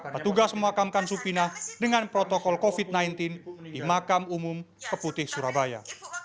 petugas memakamkan supinah dengan protokol covid sembilan belas di makam umum keputih surabaya